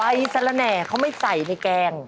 สละแหน่เขาไม่ใส่ในแกง